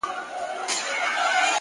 پرمختګ د ځان ماتولو هنر دی؛